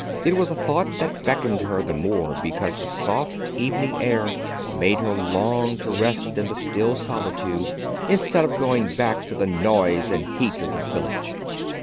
—it was a thought that beckoned her the more because the soft evening air made her long to rest in the still solitude, instead of going back to the noise and heat of the village.